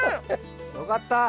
よかった！